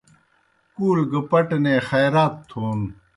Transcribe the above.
کُول گہ پٹنے خائرات تھون